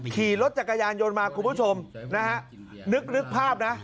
ขี่รถจักรยานยนต์มาคุณผู้ชมนะฮะนึกภาพนะ